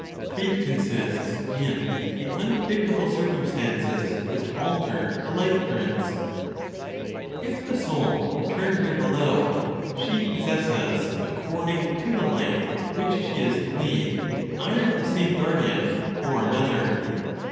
FATE CONSISTS IN THE UNPREDICTABLE CIRCUMSTANCES WHICH ALTER THE LIFE CURRENTS. If the soul return here below, she possesses, according to the life which she is to lead, either the same guardian, or another.